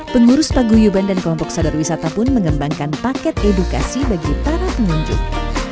pengurus paguyuban dan kelompok sadar wisata pun mengembangkan paket edukasi bagi para pengunjung